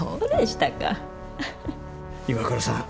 岩倉さん